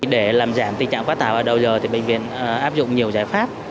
để làm giảm tình trạng quá tải vào đầu giờ bệnh viện áp dụng nhiều giải pháp